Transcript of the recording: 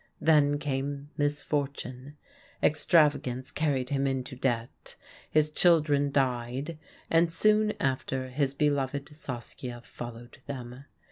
Then came misfortune. Extravagance carried him into debt. His children died, and soon after his beloved Saskia followed them.